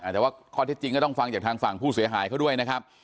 แต่ว่าข้อเท็จจริงก็ต้องฟังจากทางฝั่งผู้เสียหายเขาด้วยนะครับ